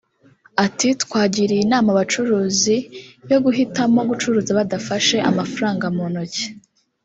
Ati “Twagiriye inama abacuruzi yo guhitamo gucuruza badafashe amafaranga mu ntoki